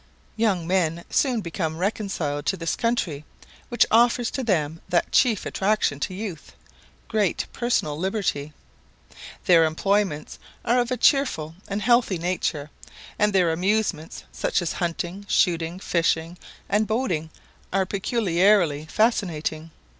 Young men soon become reconciled to this country, which offers to them that chief attraction to youth, great personal liberty. Their employments are of a cheerful and healthy nature; and their amusements, such as hunting, shooting, fishing, and boating, are peculiarly fascinating.